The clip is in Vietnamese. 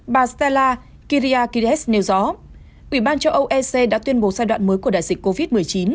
bà stella kyriakides nêu rõ ủy ban châu âu ec đã tuyên bố giai đoạn mới của đại dịch covid một mươi chín